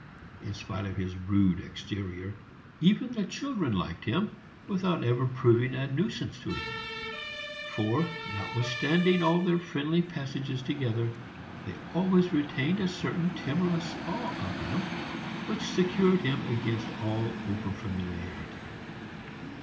In spite of his rude exterior, even the children liked him, without ever proving a nuisance to him; for, notwithstanding all their friendly passages together, they always retained a certain timorous awe of him, which secured him against all over familiarity.